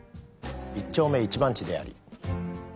一丁目一番地であり。